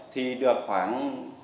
thì được khoảng